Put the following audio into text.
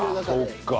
そっか。